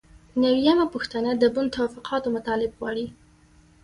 نوي یمه پوښتنه د بن توافقاتو مطالب غواړي.